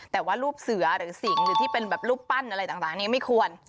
แต่ว่ารูปเสือหรือสิงหรือที่เป็นแบบรูปปั้นอะไรต่างนี้ไม่ควร